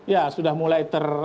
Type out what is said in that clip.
ya sudah mulai ter